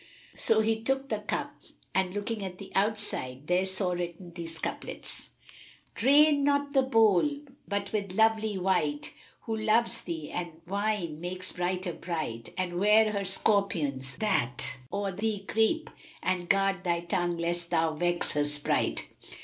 So he took the cup and looking at the outside there saw written these couplets, "Drain not the bowl but with lovely wight * Who loves thee and wine makes brighter bright. And 'ware her Scorpions[FN#314] that o'er thee creep * And guard thy tongue lest thou vex her sprite."